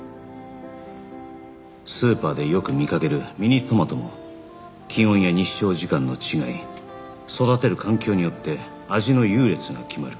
スーパーでよく見かけるミニトマトも気温や日照時間の違い育てる環境によって味の優劣が決まる